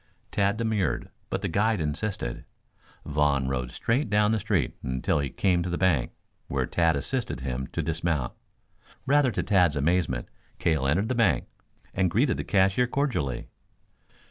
Tad demurred, but the guide insisted. Vaughn rode straight down the street until he came to the bank, where Tad assisted him to dismount. Rather to Tad's amazement Cale entered the bank, and greeted the cashier cordially.